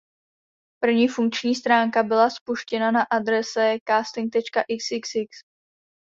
První funkční stránka byla spuštěna na adrese "casting.xxx".